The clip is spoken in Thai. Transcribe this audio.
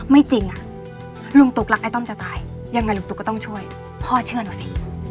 จริงอ่ะลุงตุ๊กรักไอ้ต้อมจะตายยังไงลุงตุ๊กก็ต้องช่วยพ่อเชื่อหนูสิ